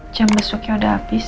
jam besoknya udah habis